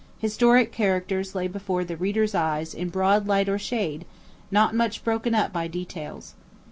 Historic characters lay before the reader's eyes in broad light or shade, not much broken up by details.